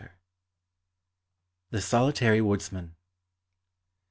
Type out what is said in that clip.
145 THE SOLITARY WOODSMAN.